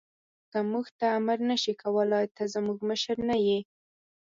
ته موږ ته امر نه شې کولای، ته زموږ مشر نه یې.